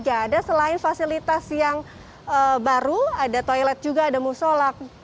ada selain fasilitas yang baru ada toilet juga ada musolak